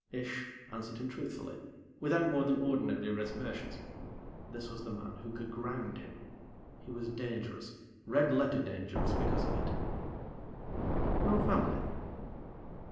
Ish answered him truthfully, without more than ordinary reservations. This was the man who could ground him He was dangerous red letter dangerous because of it. "No family."